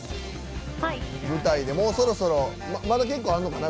もうそろそろまだ結構あるのかな？